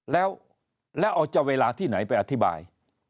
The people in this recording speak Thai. แล้วเอาจะเวลาที่ไหนไปอธิบาย